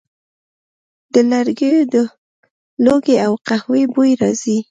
د لرګیو د لوګي او قهوې بوی راځي